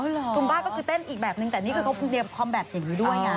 อ๋อเหรอซุมบ้าก็คือเต้นอีกแบบนึงแต่นี่คือเขาพูดเรียบความแบบอย่างนี้ด้วยค่ะ